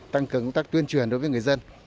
tăng cường các tuyên truyền đối với người dân